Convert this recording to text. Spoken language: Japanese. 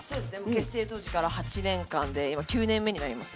結成当時から８年間、９年目に入ります。